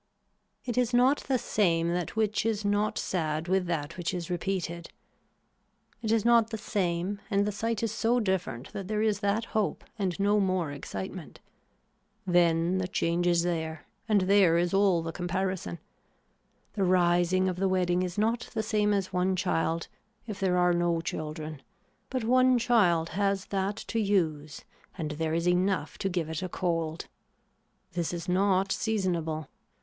It is not the same that which is not sad with that which is repeated. It is not the same and the sight is so different that there is that hope and no more excitement. Then the change is there and there is all the comparison. The rising of the wedding is not the same as one child if there are no children but one child has that to use and there is enough to give it a cold. This is not seasonable.